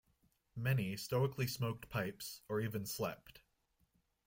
Many stoically smoked pipes or even slept.